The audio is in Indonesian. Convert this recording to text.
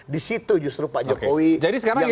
di situ justru pak jokowi yang berkepentingan